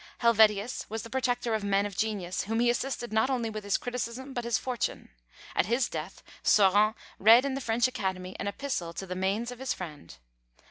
Helvetius was the protector of men of genius, whom he assisted not only with his criticism, but his fortune. At his death, Saurin read in the French Academy an epistle to the manes of his friend.